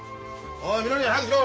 おいみのり早くしろ！